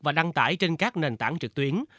và đăng tải trên các nền tảng trực tuyến